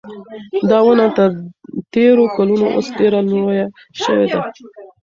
دا ونه تر تېرو کلونو اوس ډېره لویه شوې ده.